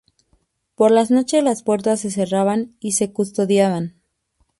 Por las noches las puertas se cerraban y se custodiaban.